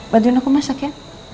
bantuin aku masak ya